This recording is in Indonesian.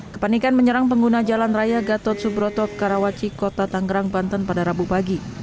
kepanikan menyerang pengguna jalan raya gatot subroto karawaci kota tanggerang banten pada rabu pagi